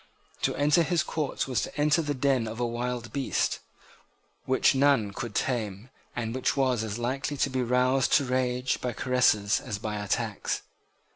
To enter his court was to enter the den of a wild beast, which none could tame, and which was as likely to be roused to rage by caresses as by attacks.